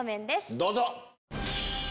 どうぞ！